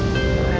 kau mau jalan